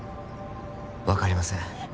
分かりません